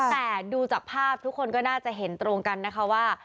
แต่ดูจากภาพทุกคนก็น่าจะเห็นตรงกันนะคะว่า